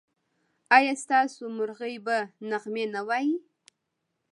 ایا ستاسو مرغۍ به نغمې نه وايي؟